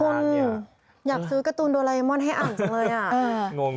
คุณอยากซื้อการ์ตูนโดไลมอนให้อ่านจังเลยอ่ะงง